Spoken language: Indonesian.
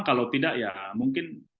kalau tidak ya mungkin